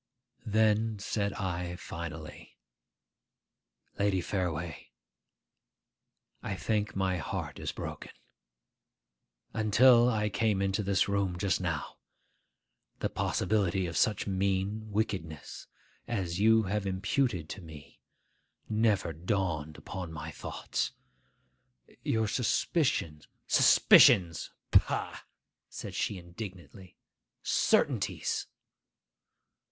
Then said I finally, 'Lady Fareway, I think my heart is broken. Until I came into this room just now, the possibility of such mean wickedness as you have imputed to me never dawned upon my thoughts. Your suspicions—' 'Suspicions! Pah!' said she indignantly. 'Certainties.